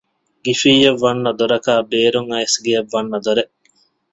ގިފިއްޔަށް ވަންނަ ދޮރަކާއި ބޭރުން އައިސް ގެއަށް ވަންނަ ދޮރެއް